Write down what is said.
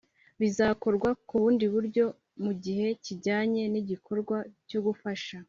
Bizakorwa ku bundi buryo mu gihe kijyanye n’igikorwa cyo gufasha